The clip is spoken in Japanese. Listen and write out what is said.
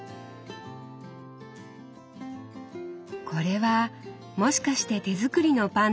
これはもしかして手作りのパンですか？